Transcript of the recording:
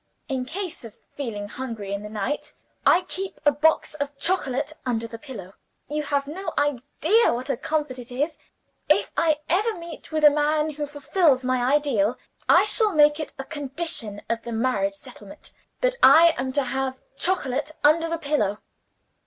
In case of feeling hungry in the night, I keep a box of chocolate under the pillow. You have no idea what a comfort it is. If I ever meet with the man who fulfills my ideal, I shall make it a condition of the marriage settlement, that I am to have chocolate under the pillow."